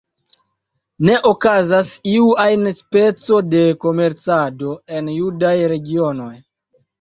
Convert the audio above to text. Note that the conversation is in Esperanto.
Ne okazas iu ajn speco de komercado en judaj regionoj.